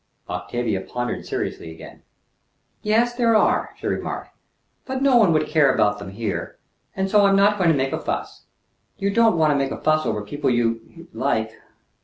Octavia pondered seriously again. "Yes, there are," she remarked; "but no one would care about them here, and so I'm not going to make a fuss. You don't want to make a fuss over people you l like."